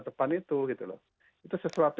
depan itu itu sesuatu